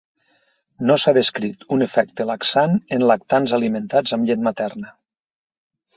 No s'ha descrit un efecte laxant en lactants alimentats amb llet materna.